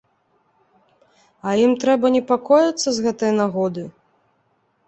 А ім трэба непакоіцца з гэтай нагоды?